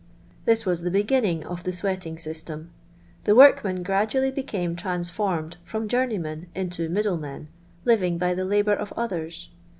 This was the beginning of the sweating system. The workmen gradually became transformed from jounieymen into ' middlemen,' living by the labour of others.